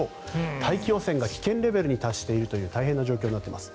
大気汚染が危険レベルに達しているという大変な状況になっています。